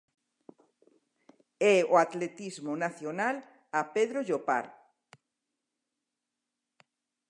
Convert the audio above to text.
E o atletismo nacional a Pedro Llopart.